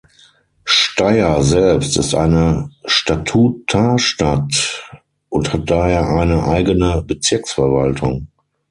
Steyr selbst ist eine Statutarstadt und hat daher eine eigene Bezirksverwaltung.